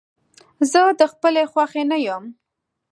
زه د خپلې خوښې نه يم.